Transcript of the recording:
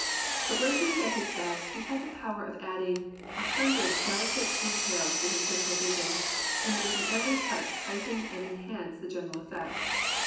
But when he was at his best he had the power of adding a hundred delicate de tails to his central vision, and making every touch heighten and enhance the general effect.